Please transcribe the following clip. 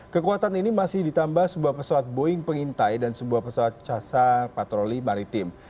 kekuatan ini masih ditambah sebuah pesawat boeing pengintai dan sebuah pesawat casa patroli maritim